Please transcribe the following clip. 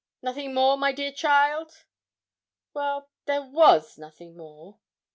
Nothing more, my dear child?' 'Well, there was nothing more.'